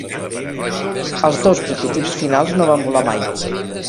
Els dos prototips finals no van volar mai.